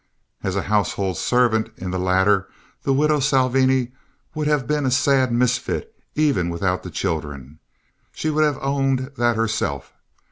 As a household servant in the latter the widow Salvini would have been a sad misfit even without the children; she would have owned that herself.